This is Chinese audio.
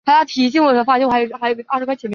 腺柳为杨柳科柳属的植物。